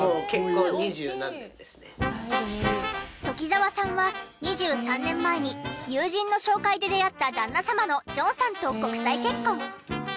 鴇澤さんは２３年前に友人の紹介で出会った旦那様のジョンさんと国際結婚。